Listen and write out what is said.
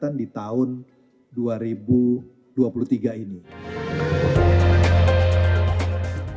ini adalah peningkatan di tahun dua ribu dua puluh tiga ini